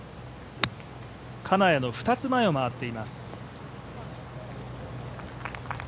金谷の２つ前を回っています。